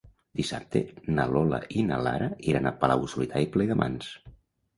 Dissabte na Lola i na Lara iran a Palau-solità i Plegamans.